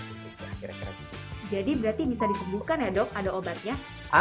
jadi berarti bisa dikembuhkan ya dok ada obatnya